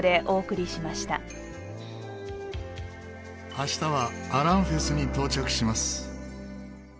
明日はアランフェスに到着します。